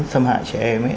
xâm hại trẻ em ấy